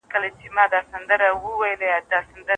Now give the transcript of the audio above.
د نقيب اوښکو ته مو لپې لوښي کړې که نه؟!